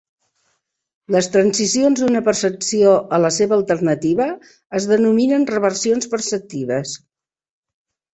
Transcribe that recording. Les transicions d'una percepció a la seva alternativa es denominen reversions perceptives.